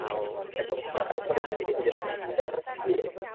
এবং সবার কাছে বলে বেড়িয়েছে যে, তার স্ত্রী ড্রাইভারের সাথে পালিয়ে গেছে।